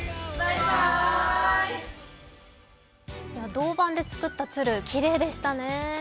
銅板で作った鶴、きれいでしたね。